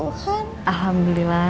udah mati lampu lagi